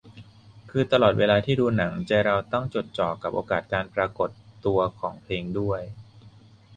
คือตลอดเวลาที่ดูหนังใจเราต้องจดจ่อกับโอกาสการปรากฏตัวของเพลงด้วย